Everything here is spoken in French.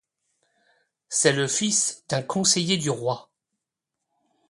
C'est le fils d'un conseiller du roi.